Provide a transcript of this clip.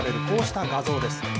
こうした画像です。